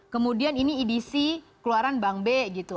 kemudian ini edc keluaran bank b gitu